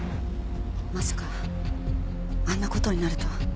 まさかあんな事になるとは。